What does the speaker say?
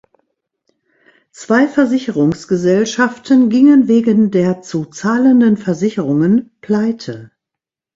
Zwei Versicherungsgesellschaften gingen wegen der zu zahlenden Versicherungen pleite.